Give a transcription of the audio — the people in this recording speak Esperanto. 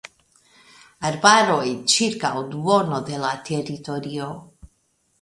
Arbaroj ĉirkaŭ duono de la teritorio.